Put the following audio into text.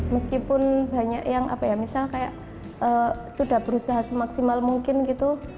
meskipun banyak yang apa ya misal kayak sudah berusaha semaksimal mungkin gitu